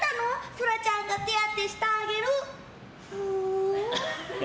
そらちゃんが手当てしてあげる。